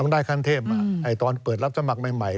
ได้ขั้นเทพมาตอนเปิดรับสมัครใหม่